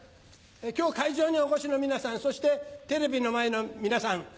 今日会場にお越しの皆さんそしてテレビの前の皆さん。